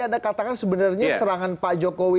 anda katakan sebenarnya serangan pak jokowi